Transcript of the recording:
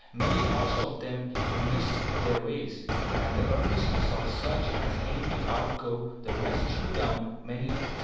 Many also of them missed their ways, and the earnestness of such as aimed to outgo the rest threw down many of them.